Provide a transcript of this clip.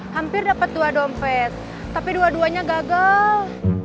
hampir dapat dua dompet tapi dua duanya gagal